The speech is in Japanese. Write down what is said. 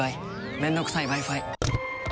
面倒くさいＷｉ−Ｆｉ。